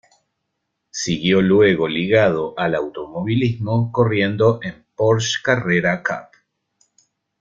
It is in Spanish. Siguió luego ligado al automovilismo, corriendo en Porsche Carrera Cup.